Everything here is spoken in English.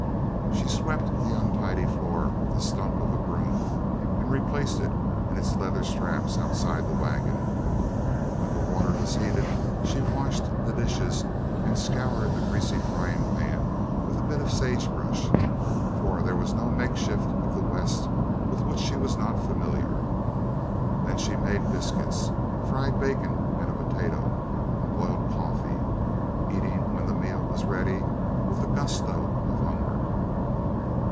She swept the untidy floor with a stump of a broom and replaced it in its leather straps outside the wagon. When the water was heated, she washed the dishes and scoured the greasy frying pan with a bit of sagebrush, for there was no makeshift of the west with which she was not familiar. Then she made biscuits, fried bacon and a potato, and boiled coffee, eating, when the meal was ready, with the gusto of hunger.